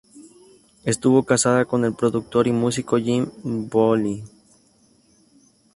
Estuvo casada con el productor y músico Jimmy Boyle.